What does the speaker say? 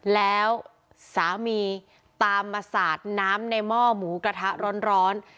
แล้วสามีตามมาสาดน้ำในหม้อหมูกระทะร้อน